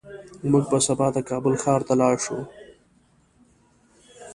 موږ به سبا د کابل ښار ته لاړ شو